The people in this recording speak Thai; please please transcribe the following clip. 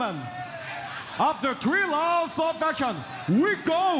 เร็วกันแล้วเพราะว่า